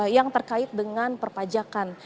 yang terkait dengan perpajakan